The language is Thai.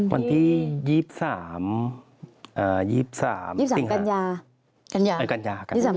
วันที่๒๓กันยา